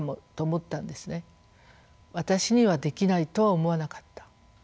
「私にはできない」とは思わなかった。